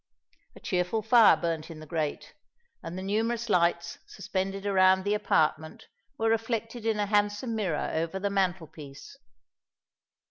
A cheerful fire burnt in the grate, and the numerous lights suspended around the apartment were reflected in a handsome mirror over the mantel piece.